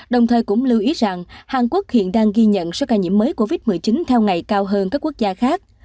đồng thời cũng lưu ý rằng hàn quốc hiện đang ghi nhận số ca nhiễm mới covid một mươi chín theo ngày cao hơn các quốc gia khác